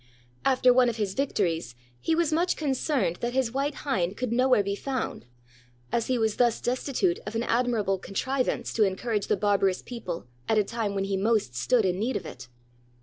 After one of his victories, he was much concerned that his white hind could nowhere be found; as he was thus destitute of an admirable contrivance to encourage the barbarous people at a time when he most stood in need of it.